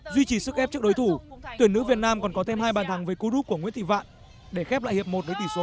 duy trì sức ép trước đối thủ tuyển nữ việt nam còn có thêm hai bàn thắng với cú đúc của nguyễn thị vạn để khép lại hiệp một với tỷ số một